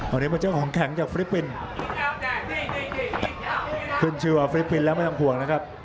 วันนี้เป็นเจ้าของแข็งจากฟิลิปปินส์ขึ้นชื่อว่าฟิลิปปินส์แล้วไม่ต้องห่วงนะครับ